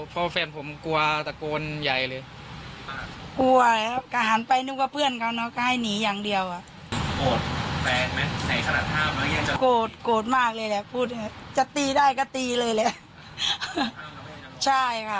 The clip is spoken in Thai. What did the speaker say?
ก็ความกลัวแต่ความเรากลัว